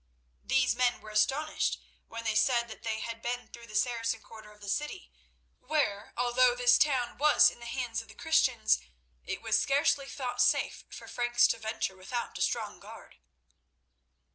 These men were astonished when they said that they had been through the Saracen quarter of the city, where, although this town was in the hands of the Christians, it was scarcely thought safe for Franks to venture without a strong guard.